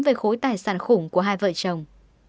về khối tài sản khủng của hai vợ chồng